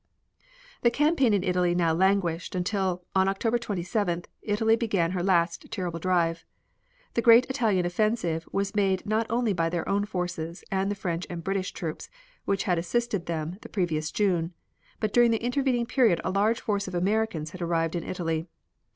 The campaign in Italy now languished, until, on October 27th, Italy began her last terrible drive. The great Italian offensive was made not only by their own forces and the French and British troops, which had assisted them the previous June, but during the intervening period a large force of Americans had arrived in Italy.